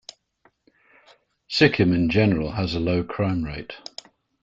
Sikkim in general has a low crime rate.